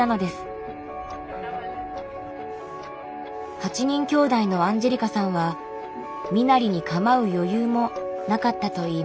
８人きょうだいのアンジェリカさんは身なりに構う余裕もなかったといいます。